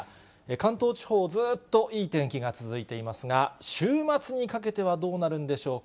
関東地方、ずっといい天気が続いていますが、週末にかけてはどうなるんでしょうか。